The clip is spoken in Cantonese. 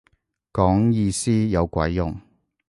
講意思有鬼用